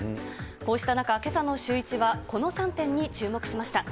こうした中、けさのシューイチはこの３点に注目しました。